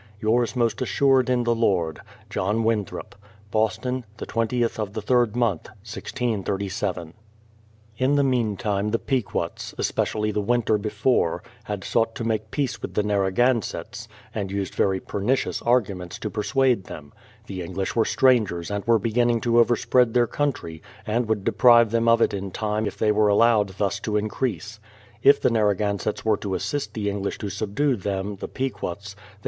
Yours most assured in the Lord, JOHN WINTHROP. Boston, the 20th of the third month, 1637. *By this means they furnished therr >'ith supplies, and have continued to do so. 286 BRADFORD'S HISTORY OP In the meantime the Pequots, especially the winter be fore, had sought to make peace with the Narragansetts, and used very pernicious arguments to persuade them: the English were strangers, and were beginning to over spread their country, and would deprive them of it in time if they were allowed thus to increase; if the Narragansetts were to assist the English to subdue them, the Pequots, they